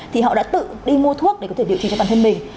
thì họ đã tự đi mua thuốc để có thể điều chỉnh cho bản thân mình